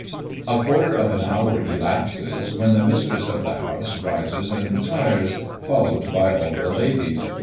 A quarter of an hour elapses, when the mistress of the house rises and retires, followed by all the ladies.